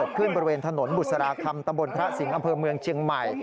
ขึ้นบริเวณถนนบุษราคำตำบลพระสิงห์อำเภอเมืองเชียงใหม่